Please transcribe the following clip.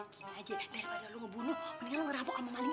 gini aja daripada lu ngebunuh mendingan lu ngerampok sama maling aja bang